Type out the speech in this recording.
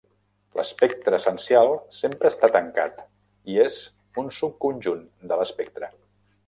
L'espectre essencial sempre està tancat i és un subconjunt de l'espectre.